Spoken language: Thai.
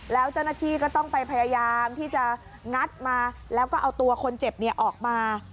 แล้วเจ้าหน้าที่ก็ต้องไปพยายามที่จะงัดมาแล้วก็เอาตัวคนเจ็บออกมา